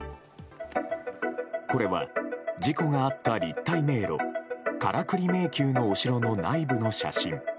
これは、事故があった立体迷路カラクリ迷宮のお城の内部の写真。